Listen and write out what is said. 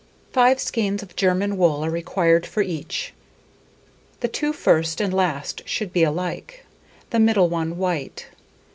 Five skeins of German wool are required for each: the 2 first and last should be alike, the middle one white.